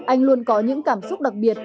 anh luôn có những cảm xúc đặc biệt